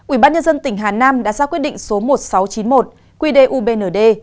ubnd tỉnh hà nam đã ra quyết định số một nghìn sáu trăm chín mươi một quy đề ubnd